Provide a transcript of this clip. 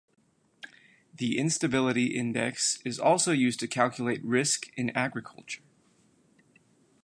The instability index is also used to calculate risk in agriculture.